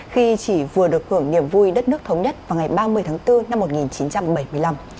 khi chỉ vừa được hưởng niềm vui đất nước thống nhất vào ngày ba mươi tháng bốn năm một nghìn chín trăm bảy mươi năm